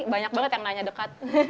banyak banget yang nanya dekat